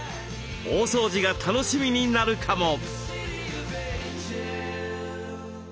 大掃除が楽しみになるかも。